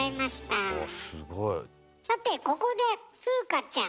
さてここで風花ちゃん。